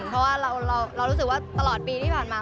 เพราะว่าเรารู้สึกว่าตลอดปีที่ผ่านมา